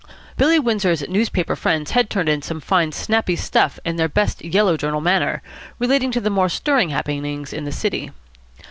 Billy Windsor's newspaper friends had turned in some fine, snappy stuff in their best Yellow Journal manner, relating to the more stirring happenings in the city.